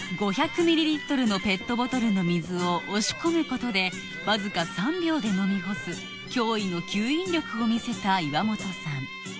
５００ｍｌのペットボトルの水を押し込むことでわずか３秒で飲み干す驚異の吸引力を見せた岩本さん